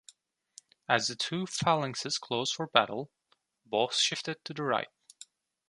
As the two phalanxes closed for battle, both shifted to the right.